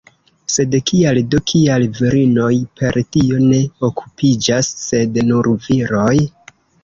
Sed kial do, kial virinoj per tio ne okupiĝas, sed nur viroj?